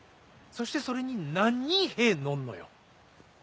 そしてそれに何人兵乗んのよ。